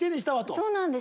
そうなんです。